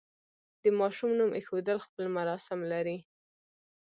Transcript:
د ماشوم نوم ایښودل خپل مراسم لري.